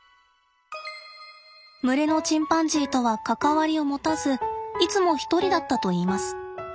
群れのチンパンジーとは関わりを持たずいつも一人だったといいます。